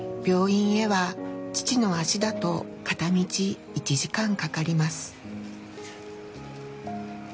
病院へは父の足だと片道１時間かかります。